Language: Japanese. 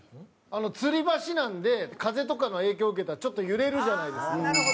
吊り橋なので風とかの影響を受けたらちょっと揺れるじゃないですか。